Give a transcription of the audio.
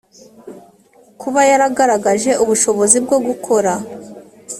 kuba yaragaragaje ubushobozi bwo gukora